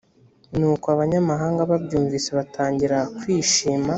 nuko abanyamahanga babyumvise batangira kwishima